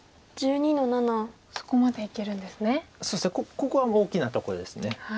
ここは大きなところです。